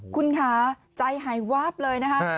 คุณค่ะใจหายวาบเลยนะคะ